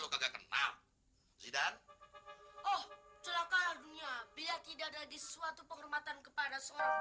oh celaka lah dunia bila tidak ada disuatu penghormatan kepada seorang pemerintah